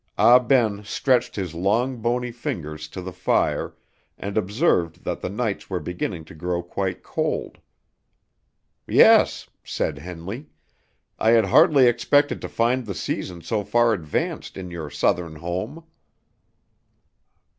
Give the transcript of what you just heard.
Ah Ben stretched his long bony fingers to the fire, and observed that the nights were beginning to grow quite cold. "Yes," said Henley, "I had hardly expected to find the season so far advanced in your Southern home."